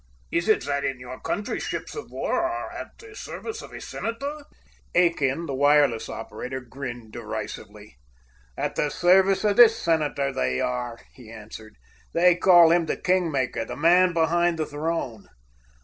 "Is it that in your country ships of war are at the service of a senator?" Aiken, the wireless operator, grinned derisively. "At the service of this senator, they are!" he answered. "They call him the 'king maker,' the man behind the throne."